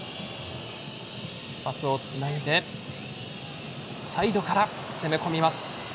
パスをつないでサイドから攻め込みます。